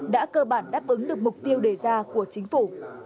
đã cơ bản đáp ứng được mục tiêu đề ra của chính phủ